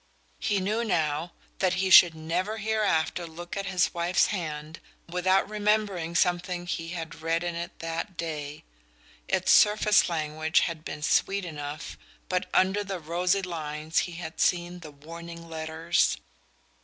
He knew now that he should never hereafter look at his wife's hand without remembering something he had read in it that day. Its surface language had been sweet enough, but under the rosy lines he had seen the warning letters.